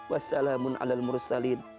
wassalamun ala al mursalin